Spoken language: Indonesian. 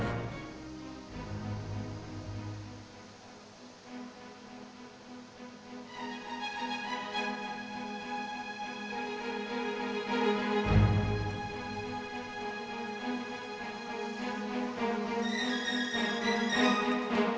saya harus mengumpulkan kata kata lelaki yang tersebut